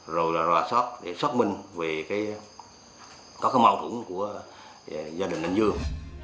rồi là ròa sót để xót minh về cái có cái mâu thuẫn của gia đình anh dương